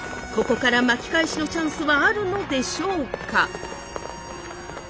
ここから巻き返しのチャンスはあるのでしょうか？